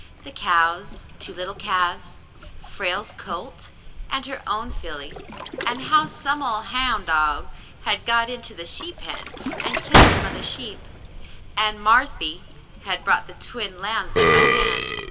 The cows, two little calves, Frale's colt, and her own filly, and how "some 300 The Shadow Lifts 301 ol' houn' dog'* had got into the sheep pen and killed the mother sheep, and "Marthy" had brought the twin lambs up by hand.